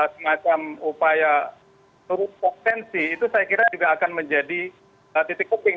semacam upaya turun potensi itu saya kira juga akan menjadi titik topping